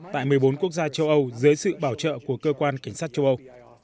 tại một mươi bốn quốc gia châu âu dưới sự bảo trợ của cơ quan cảnh sát châu âu